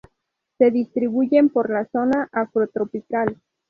Se distribuyen por la zona afrotropical.